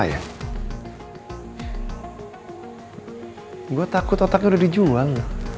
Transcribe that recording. saya takut otaknya sudah dijual